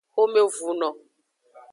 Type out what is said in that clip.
Xomevunu.